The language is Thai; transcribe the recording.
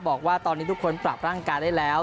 บอกว่าตอนนี้ทุกคนปรับร่างกายได้แล้ว